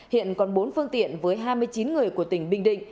hiện còn bốn phương tiện với hai mươi chín người của tỉnh bình định